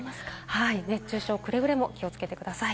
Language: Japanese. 熱中症、くれぐれも気をつけてください。